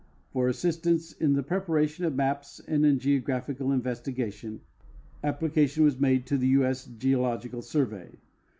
For assistance in the preparation of maps and in geographical in vestigation, application was made to the U. S. Geological Survey.